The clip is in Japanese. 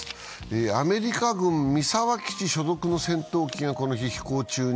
アメリカ軍三沢基地所属の戦闘機が、この日、飛行中に